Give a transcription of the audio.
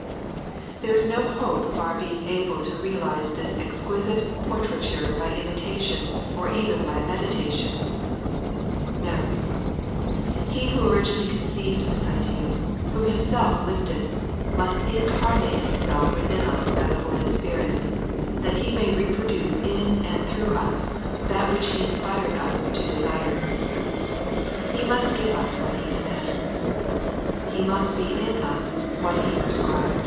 There is no hope of our being able to realize this ex quisite portraiture by imitation or even by meditation. No; He who originally conceived this ideal, who Himself lived it, must incarnate Himself within us by the Holy Spirit, that He may reproduce in and through us that which He has inspired us to desire.